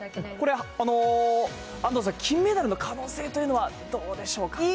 これ、安藤さん、金メダルの可能性というのはどうでしょうか。